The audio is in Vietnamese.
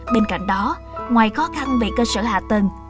bên cạnh đó ngoài khó khăn về cơ sở hạ tầng